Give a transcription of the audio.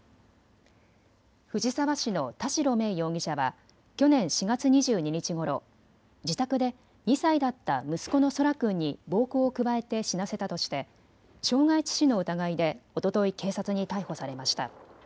藤沢市の田代芽衣容疑者は去年４月２２日ごろ、自宅で２歳だった息子の空来君に暴行を加えて死なせたとして傷害致死の疑いでおととい警察に逮捕されました。